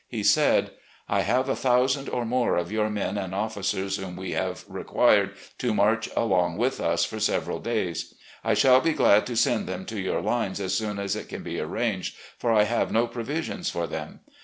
He said :" I have a thousand or more of your men and officers, whom we have required to march along with us for several days. I shall be glad to send them to your lines as soon as it can be arranged, for I have no provisions for them.